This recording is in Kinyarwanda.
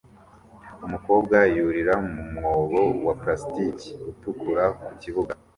Umukobwa yurira mu mwobo wa plastiki utukura ku kibuga